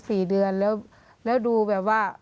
สี่เดือนแล้วแล้วดูแบบว่า